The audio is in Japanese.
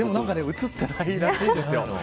写ってないらしいんですよ。